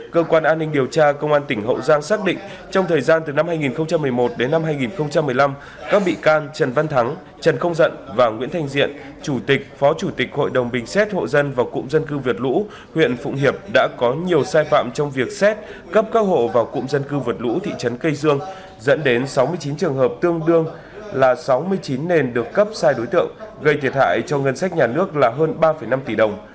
cơ quan an ninh điều tra công an tỉnh hậu giang xác định trong thời gian từ năm hai nghìn một mươi một đến năm hai nghìn một mươi năm các bị can trần văn thắng trần không dận và nguyễn thanh diện chủ tịch phó chủ tịch hội đồng bình xét hộ dân vào cụm dân cư vượt lũ huyện phụng hiệp đã có nhiều sai phạm trong việc xét cấp các hộ vào cụm dân cư vượt lũ thị trấn cây dương dẫn đến sáu mươi chín trường hợp tương đương là sáu mươi chín nền được cấp sai đối tượng gây thiệt hại cho ngân sách nhà nước là hơn ba năm tỷ đồng